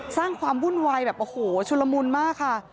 สร้างความวุ่นวายแบบโอ้โหชุลมุนมากค่ะ